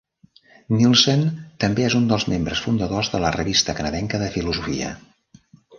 Nielsen també és un dels membres fundadors de la "Revista canadenca de Filosofia".